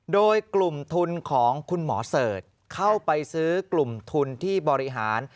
โดยกลุ่มทุนของคุณหมอเสิร์ชเข้าไปซื้อกลุ่มทุนที่บริหาร